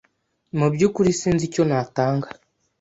Mu byukuri sinzi icyo natanga.